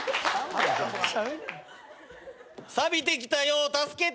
「さびてきたよ助けて！」